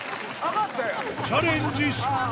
チャレンジ失敗。